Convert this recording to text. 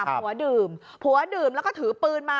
ผัวดื่มผัวดื่มแล้วก็ถือปืนมา